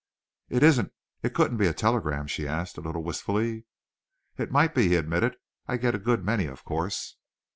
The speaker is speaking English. "It isn't it couldn't be a telegram?" she asked, a little wistfully. "It might be," he admitted. "I get a good many, of course."